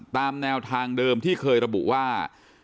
ตามแนวทางเดิมที่เคยระบุว่า